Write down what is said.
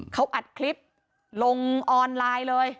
เขาอัดคลิปลงออนไลน์เลย